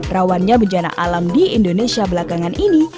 rawannya bencana alam di indonesia belakangan ini